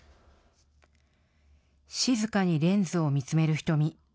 静かにレンズを見つめる瞳。